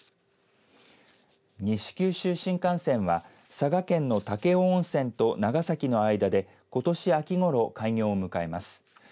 西九州新幹線は佐賀県の武雄温泉と長崎の間でことし秋ごろ開業を向かえます。